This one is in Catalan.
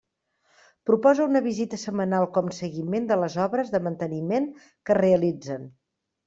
Proposa una visita setmanal com seguiment de les obres de manteniment que es realitzen.